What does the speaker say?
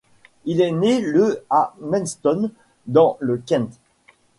Il est né le à Maidstone dans le Kent.